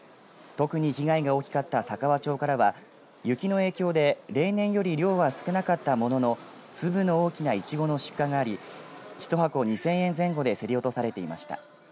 特に被害が大きかった佐川町からは雪の影響で例年より量は少なかったものの粒の大きないちごの出荷があり１箱２０００円前後で競り落とされていました。